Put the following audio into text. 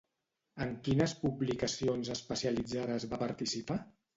En quines publicacions especialitzades va participar?